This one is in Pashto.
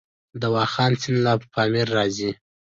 د واخان سیند له پامیر راځي